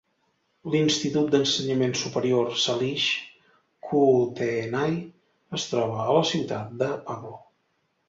L'institut d'ensenyament superior Salish Kootenai es troba a la ciutat de Pablo.